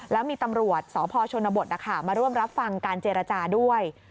แล้วมีตำรวจสพชนบทมาร่วมรับฟังการเจรจาด้วย